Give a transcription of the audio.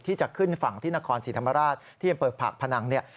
ที่จะขึ้นฝั่งที่นครศรีธรรมราชที่อำเภอผักพนังเนี่ย